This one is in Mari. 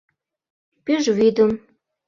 Пӱжвӱдым